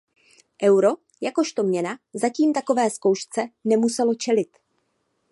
Euro jakožto měna zatím takové zkoušce nemuselo čelit.